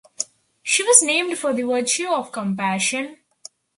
She was named for the virtue of compassion.